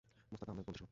মোশতাক আহমেদ মন্ত্রিসভা